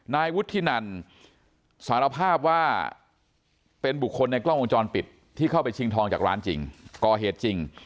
นายวุฒินันสารภาพว่าเป็นบุคคลในกล้องวงจรปิดที่เข้าไปชิงทองจากร้านจริงก่อเหตุจริง